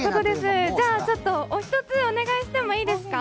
じゃあ、お一つ、お願いしてもいいですか？